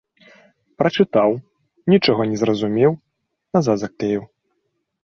Прачытаў, нічога не зразумеў, назад заклеіў.